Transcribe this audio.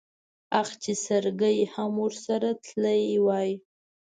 اخ چې سرګي ام ورسره تلی وای.